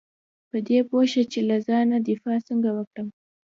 په دې پوه شه چې له ځان دفاع څنګه وکړم .